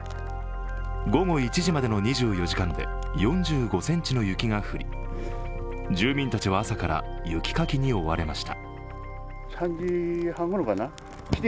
午後１時までの２４時間で４５ｃｍの雪が降り、住民たちは朝から雪かきに追われました。